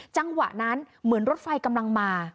จังหวะนั้นเหมือนรถไฟกำลังมา